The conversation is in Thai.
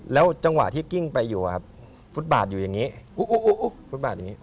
แล้วจังหวะที่กิ้งไปอยู่ครับฟุตบาทอยู่อย่างนี้ฟุตบาทอย่างนี้